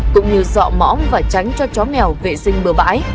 cũng như dọa mõm và tránh cho chó mèo vệ sinh bờ bãi